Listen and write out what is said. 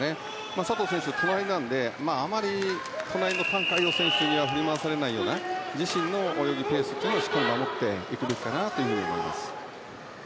佐藤選手、隣なのであまり隣のタン・カイヨウ選手には振り回されないような自身の泳ぎ、ペースをしっかり守っていくべきかなと思います。